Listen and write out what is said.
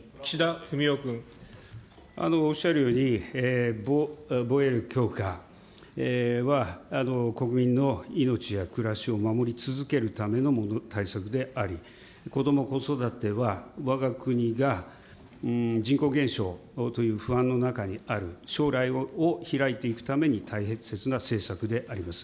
おっしゃるように、防衛力強化は、国民の命や暮らしを守り続けるための対策であり、こども・子育てはわが国が、人口減少という不安の中にある将来を開いていくために大切な政策であります。